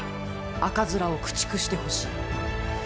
赤面を駆逐してほしい！